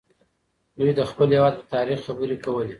دوی د خپل هېواد په تاريخ خبري کولې.